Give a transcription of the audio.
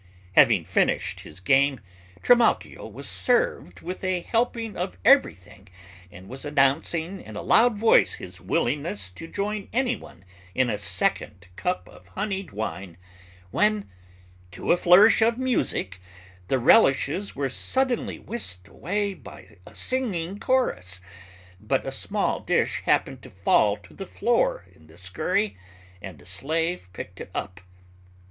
Having finished his game, Trimalchio was served with a helping of everything and was announcing in a loud voice his willingness to join anyone in a second cup of honied wine, when, to a flourish of music, the relishes were suddenly whisked away by a singing chorus, but a small dish happened to fall to the floor, in the scurry, and a slave picked it up.